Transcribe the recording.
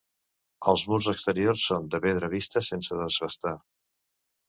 Els murs exteriors són de pedra vista sense desbastar.